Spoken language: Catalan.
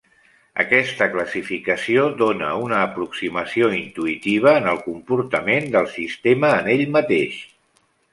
Aquesta classificació dóna una aproximació intuïtiva en el comportament del sistema en ell mateix.